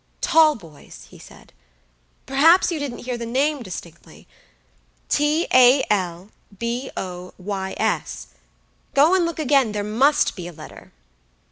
"Talboys," he said; "perhaps you didn't hear the name distinctlyT, A, L, B, O, Y, S. Go and look again, there must be a letter."